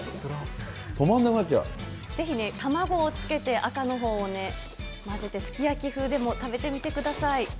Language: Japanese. ぜひね、卵をつけて赤のほうを混ぜて、すき焼き風でも食べてみてください。